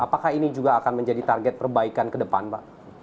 apakah ini juga akan menjadi target perbaikan ke depan pak